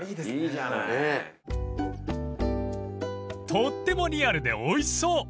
［とってもリアルでおいしそう！］